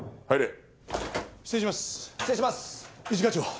はい。